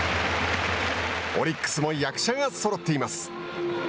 オリックスも役者がそろっています。